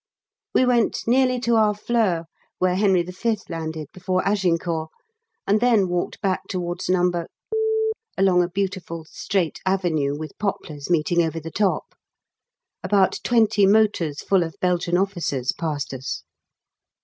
We went nearly to Harfleur (where Henry V. landed before Agincourt), and then walked back towards No. Camp, along a beautiful straight avenue with poplars meeting over the top. About 20 motors full of Belgian officers passed us.